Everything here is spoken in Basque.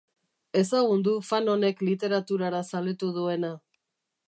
Ezagun du Fanonek literaturara zaletu duena.